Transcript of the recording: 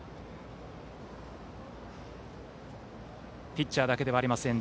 ピッチャーだけではありません。